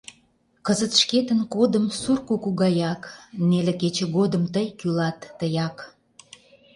Кызыт шкетын кодым Сур куку гаяк, Неле кече годым Тый кӱлат, тыяк!